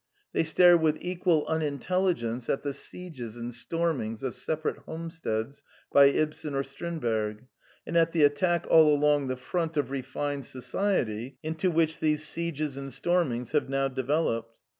They stare with equal unintelligence at the sieges and stormings of separate homesteads by Ibsen or Strindberg, and at the attack all along the front of refined society into which these sieges and stormings have now developed.